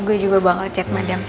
gue juga bawa chat madam